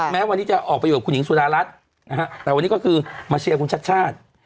แม้วันนี้จะออกไปอยู่กับคุณหญิงสุดารัฐแต่วันนี้ก็คือมาเชียร์คุณชาติ